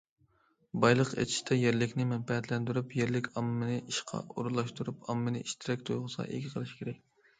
بايلىق ئېچىشتا يەرلىكنى مەنپەئەتلەندۈرۈپ، يەرلىك ئاممىنى ئىشقا ئورۇنلاشتۇرۇپ، ئاممىنى ئىشتىراك تۇيغۇسىغا ئىگە قىلىش كېرەك.